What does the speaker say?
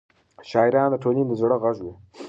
شاعران د ټولنې د زړه غږ وي.